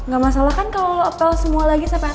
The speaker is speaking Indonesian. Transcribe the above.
gak masalah kan kalo lo apel semua lagi sampe atas